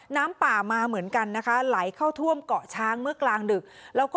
น้ำป่ามาเหมือนกันไหลเข้าท่วมเมื่อกลางดึก